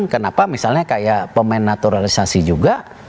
kenapa misalnya kayak pemain naturalisasi juga